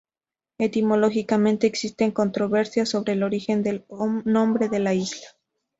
Etimológicamente, existe controversia sobre el origen del nombre de la isla.